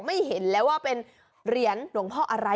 เห็นแล้วว่าเป็นเหรียญหลวงพ่ออะไร